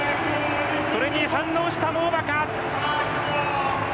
それに反応したモーバカ。